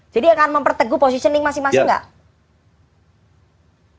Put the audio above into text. jadi akan memperteguh positioning masing masing nggak